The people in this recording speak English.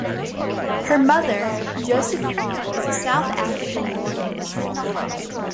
Her mother, Josephine, is a South African-born English former model.